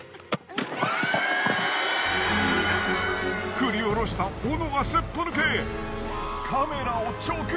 振り下ろした斧がすっぽ抜け。